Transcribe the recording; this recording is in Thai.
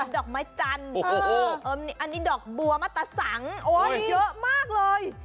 ดอกไม้จันทร์อันนี้ดอกบัวมัตตสังเยอะมากเลย